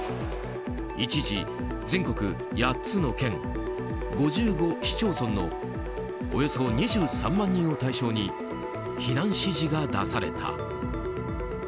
一時、全国８つの県５５市町村のおよそ２３万人を対象に避難指示が出された。